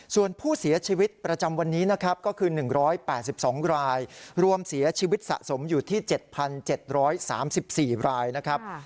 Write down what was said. ส่วนผู้เสียชีวิตประจำวันนี้นะครับก็คือ๑๘๒รายรวมเสียชีวิตสะสมอยู่ที่๗๗๓๔รายนะครับ